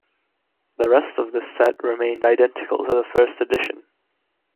The rest of this set remained identical to the first edition.